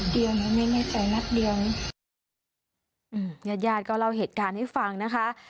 เดียวไม่แน่ใจนัดเดือนออหือยายาณก็เล่าเหตุการณ์ให้ฟังนะคะ